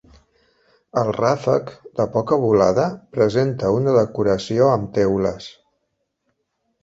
El ràfec, de poca volada, presenta una decoració amb teules.